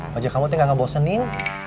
wajah kamu tuh gak ngebosenin